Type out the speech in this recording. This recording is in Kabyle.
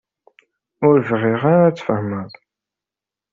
Ur bɣiɣ ara ad tfehmeḍ.